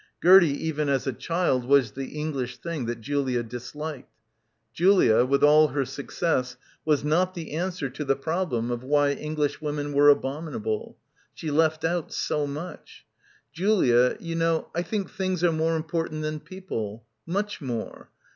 Gertie even as a child was the English thing that Julia disliked. Julia, with all her suc cess was not the answer to the problem of why Englishwomen were abominable. She felt out so much. "Julia, you know, I think things are more important than people. Much more.